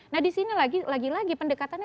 nah disini lagi lagi pendekatannya